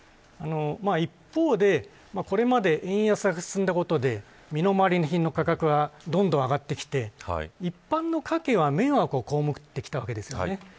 一方でこれまで円安が続くことで身の回りの品の価格はどんどんか上がってきて一般の家計は迷惑をこうむってきたわけですよね。